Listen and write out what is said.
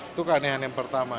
itu keanehan yang pertama